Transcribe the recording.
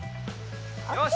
よし。